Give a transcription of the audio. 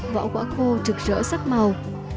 vỏ quả khô trực rỡ sắc màu